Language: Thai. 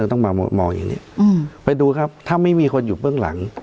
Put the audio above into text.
ต้องมามองอย่างนี้ไปดูครับถ้าไม่มีคนอยู่เบื้องหลัง